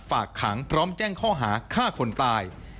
ฝากขังพร้อมแจ้งข้อหาฆ่าคนตาย